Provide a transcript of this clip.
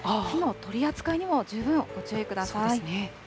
火の取り扱いにも十分ご注意ください。